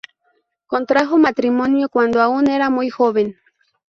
Contrajo matrimonio cuando aún era muy joven.